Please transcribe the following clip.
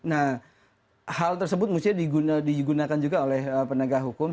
nah hal tersebut mestinya digunakan juga oleh penegak hukum